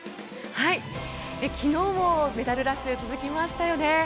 昨日もメダルラッシュ続きましたよね。